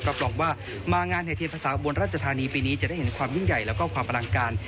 รองว่ามางานแห่เทียนภาษาอุบลราชธานีปีนี้จะได้เห็นความยิ่งใหญ่แล้วก็ความอลังการ